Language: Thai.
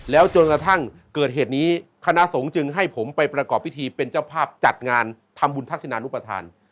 แล้วจนกระทั่งเกิดเหตุนี้คณะสงฆ์จึงให้ผมไปประกอบพิธีเป็นเจ้าภาพจัดงานทำบุญทักษนานุปทาน